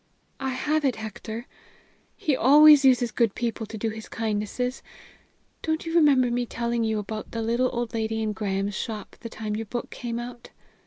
"I have it, Hector. He always uses good people to do his kindnesses. Don't you remember me telling you about the little old lady in Graham's shop the time your book came out?"